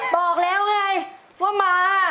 บอกแล้วไงว่ามา